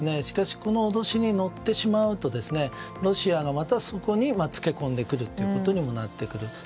しかしこの脅しに乗ってしまうとロシアがまたそこにつけ込んでくるということにもなってくる。